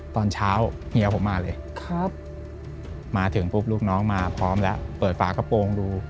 ตอนเช้าเฮียผมมาเลยมาถึงปุ๊บลูกน้องมาพร้อมแล้วเปิดฝากระโปรงดู